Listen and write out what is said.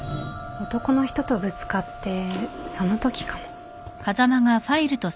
男の人とぶつかってそのときかも。